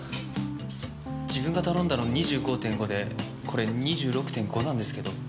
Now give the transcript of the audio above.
自分が頼んだの２５．５でこれ２６．５なんですけど。